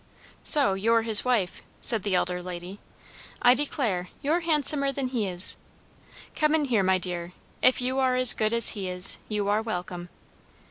"So you're his wife!" said the elder lady. "I declare, you're handsomer than he is. Come in here, my dear; if you are as good as he is, you are welcome."